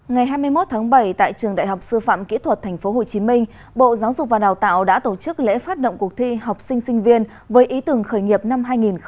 ngày hai mươi một tháng bảy tại trường đại học sư phạm kỹ thuật tp hcm bộ giáo dục và đào tạo đã tổ chức lễ phát động cuộc thi học sinh sinh viên với ý tưởng khởi nghiệp năm hai nghìn hai mươi